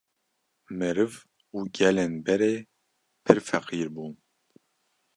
Meriv û gelên berê pir feqîr bûn